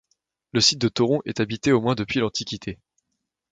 Le site de Thauron est habité au moins depuis l'Antiquité.